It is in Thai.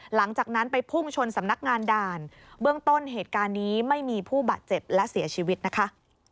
หลังจากนั้นไปพุ่งชนสำนักงานด่านเบื้องต้นเหตุการณ์นี้ไม่มีผู้บาดเจ็บและเสียชีวิตนะคะ